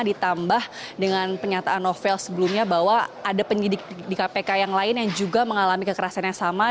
ditambah dengan penyataan novel sebelumnya bahwa ada penyidik di kpk yang lain yang juga mengalami kekerasan yang sama